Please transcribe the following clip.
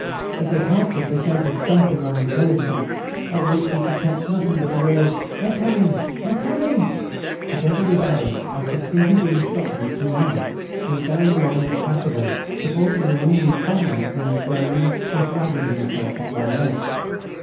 As they passed us they shouted something unintelligible, of which we could catch nothing but the words: "They're coming, ... they're coming." Together with O., I succeeded in stopping two men, who were going along less rapidly, supporting a wounded comrade who was groaning and dragging himself on one leg.